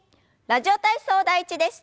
「ラジオ体操第１」です。